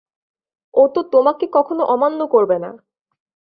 ও তো তোমাকে কখনো অমান্য করবে না।